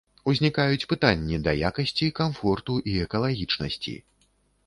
Узнікаюць пытанні да якасці, камфорту і экалагічнасці.